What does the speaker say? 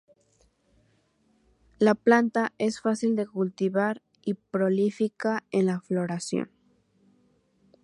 La planta es fácil de cultivar y prolífica en la floración.